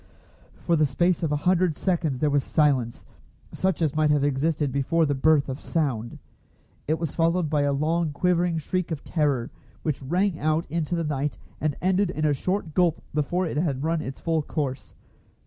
For the space of a hundred seconds there was silence, such as might have existed before the birth of sound. It was followed by a long quivering shriek of terror, which rang out into the night, and ended in a short gulp before it had run its full course.